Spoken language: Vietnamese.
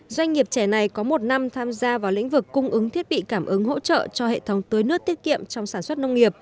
doanh nghiệp trẻ này có một năm tham gia vào lĩnh vực cung ứng thiết bị cảm ứng hỗ trợ cho hệ thống tưới nước tiết kiệm trong sản xuất nông nghiệp